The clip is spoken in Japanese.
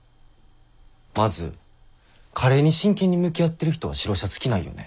まずカレーに真剣に向き合ってる人は白シャツ着ないよね。